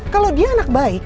kalau dia anak baik